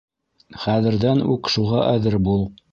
Хәҙерҙән үк шуға әҙер бул.